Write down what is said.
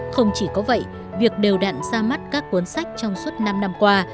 không chỉ có vậy việc đều đặn ra mắt các cuốn sách trong suốt năm năm qua